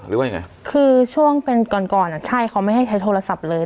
หรือว่ายังไงคือช่วงเป็นก่อนก่อนอ่ะใช่เขาไม่ให้ใช้โทรศัพท์เลย